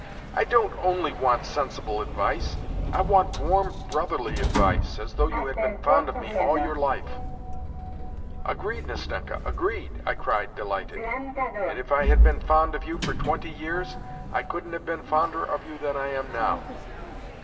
"I don't only want sensible advice, I want_warm brotherly advice, as though ,.^', you had been fond of me all your life !"~" Xctkj "^Agreed, Nastenl:a,~agreedT'""T~cried delighted; "and if I had been fond of you for twenty years, I couldn't have been fonder of you than I am now."